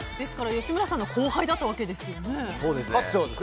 吉村さんの後輩だったわけですよね。